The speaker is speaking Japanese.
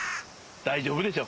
大丈夫でしょ。